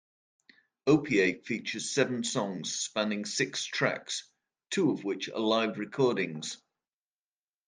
"Opiate" features seven songs spanning six tracks, two of which are live recordings.